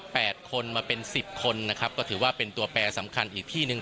คนมาเป็นสิบคนนะครับก็ถือว่าเป็นตัวแปรสำคัญอีกที่หนึ่ง